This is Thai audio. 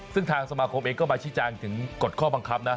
ซึ่งทางสมาคมเองก็มาชี้แจงถึงกฎข้อบังคับนะ